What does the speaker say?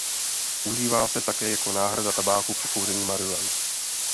Užívá se také jako náhrada tabáku při kouření marihuany.